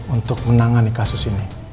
untuk menangani kasus ini